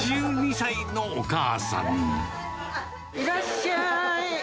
いらっしゃーい。